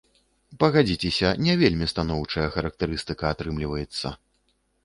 Пагадзіцеся, не вельмі станоўчая характарыстыка атрымліваецца.